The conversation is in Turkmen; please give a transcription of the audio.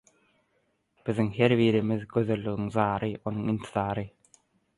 Biziň her birimiz gözelligiň zary, onuň intizary.